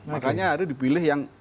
makanya ada dipilih yang